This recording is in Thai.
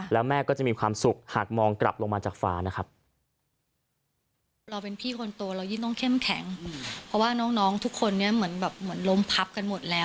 แล้วก็ปรากฏว่าจะไปแต่งหน้าศพให้แม่